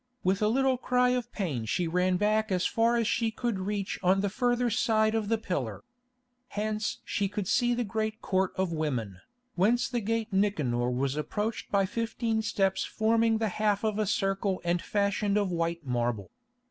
With a little cry of pain she ran back as far as she could reach on the further side of the pillar. Hence she could see the great Court of Women, whence the Gate Nicanor was approached by fifteen steps forming the half of a circle and fashioned of white marble.